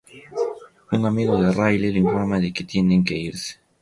Un amigo de Riley le informa de que tienen que irse.